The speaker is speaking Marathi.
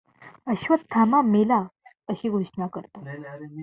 अश्वत्थामा मेला! अशी घोषणा करतो.